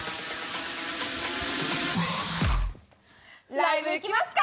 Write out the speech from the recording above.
ライブ行きますか！